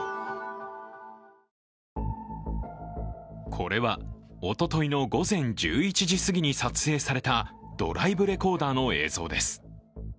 これはおとといの午前１１時すぎに撮影されたドライブレコーダーの映像です。